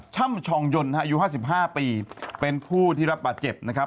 ่ำชองยนต์อายุ๕๕ปีเป็นผู้ที่รับบาดเจ็บนะครับ